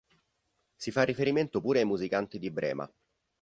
Si fa riferimento pure ai musicanti di Brema.